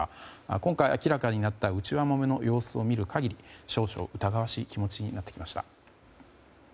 今回明らかになった内輪もめの様子を見る限り少々、疑わしい気持ちになってきました。